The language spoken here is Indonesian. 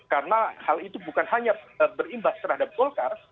karena hal itu bukan hanya berimbas terhadap golkar